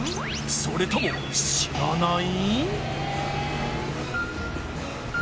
それとも知らない？